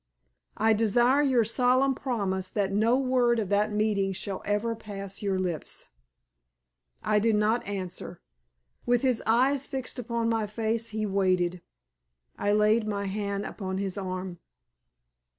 I desire your solemn promise that no word of that meeting shall ever pass your lips." I did not answer. With his eyes fixed upon my face he waited. I laid my hand upon his arm.